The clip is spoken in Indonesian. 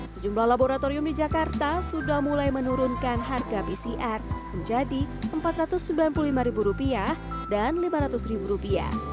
sejumlah laboratorium di jakarta sudah mulai menurunkan harga pcr menjadi rp empat ratus sembilan puluh lima dan rp lima ratus